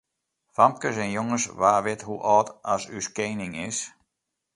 Famkes en jonges, wa wit hoe âld as ús kening is?